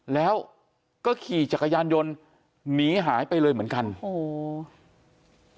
แล้วก็ขี่จักรยานยนต์หนีหายไปเลยเหมือนกันโอ้โห